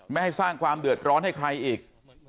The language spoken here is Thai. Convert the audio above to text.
ไม่ให้สร้างความเดือดร้อนให้ใครอีก